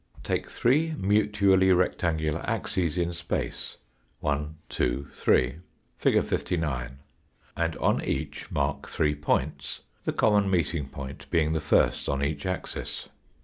Take three mutually rectangular axes in space 1, 2, 3 (fig. 59), and on each mark three points, the common meeting point being the first on each axis.